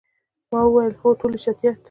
ما وویل، هو، ټولې چټیات.